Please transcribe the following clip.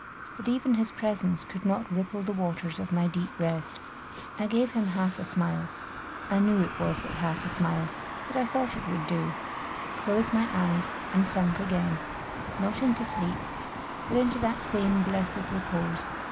But even his presence could not ripple the waters of my deep rest. I gave him half a smile, I knew it was but half a smile, but I thought it would do, closed my eyes, and sunk again, not into sleep, but into that same blessed repose.